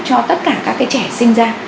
cho tất cả các cái trẻ sinh ra